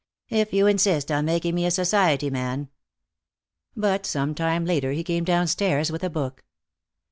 "If you insist on making me a society man " But some time later he came downstairs with a book.